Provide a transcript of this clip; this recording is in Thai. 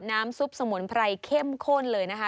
น้ำซุปสมุนไพรเข้มข้นเลยนะคะ